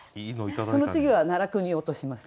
その次は奈落に落とします。